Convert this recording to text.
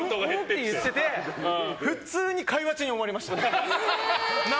って言ってて普通に会話中に終わりました。